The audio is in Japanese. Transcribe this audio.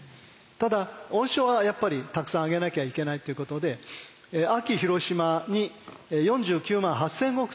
ただ恩賞はやっぱりたくさんあげなきゃいけないっていうことで安芸広島に４９万８，０００石という大禄を与えました。